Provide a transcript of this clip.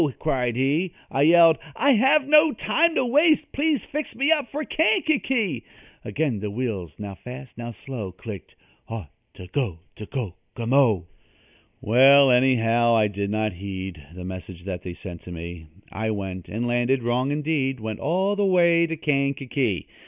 cried he. I yelled: "I have no time to waste Please fix me up for Kankakee!" Again the wheels, now fast, now slow, Clicked: "Ought to go to Kokomo!" Well, anyhow, I did not heed The message that they sent to me. I went, and landed wrong indeed Went all the way to Kankakee.